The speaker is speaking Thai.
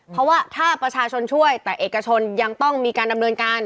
เพราะว่าถ้าประชาชนช่วยแต่เอกชนยังต้องมีการดำเนินการ